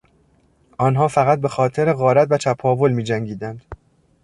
آنها فقط بهخاطر غارت و چپاول میجنگیدند.